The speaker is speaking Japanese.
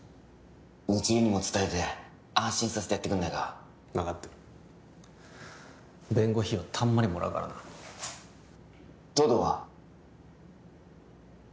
未知留にも伝えて安心させてやってくれないか分かってる弁護費はたんまりもらうからな東堂は？